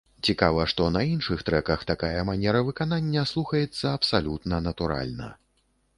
Цікава, што на іншых трэках такая манера выканання слухаецца абсалютна натуральна.